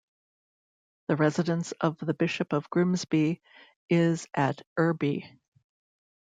The residence of the Bishop of Grimsby is at Irby.